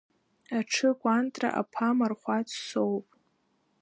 Аҽы Кәантра аԥа Мархәац соуп.